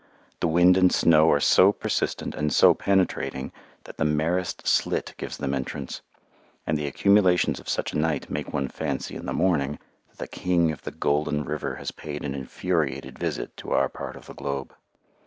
The wind and snow are so persistent and so penetrating that the merest slit gives them entrance, and the accumulations of such a night make one fancy in the morning that the King of the Golden River has paid an infuriated visit to our part of the globe.